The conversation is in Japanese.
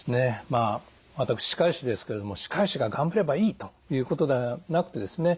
まあ私歯科医師ですけれども歯科医師が頑張ればいいということではなくてですね